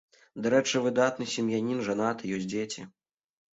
Дарэчы, выдатны сем'янін, жанаты, ёсць дзеці.